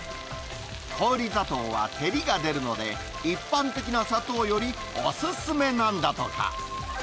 氷砂糖は照りが出るので、一般的な砂糖よりお勧めなんだとか。